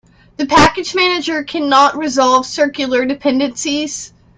The package manager cannot resolve circular dependencies.